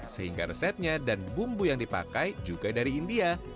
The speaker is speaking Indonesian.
sehingga resepnya dan bumbu yang dipakai juga dari india